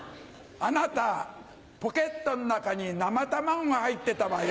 あなたポケットの中に生卵が入ってたわよ。